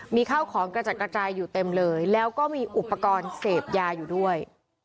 มีข้าวของกระจัดกระจายอยู่เต็มเลยแล้วก็มีอุปกรณ์เสพยาอยู่ด้วย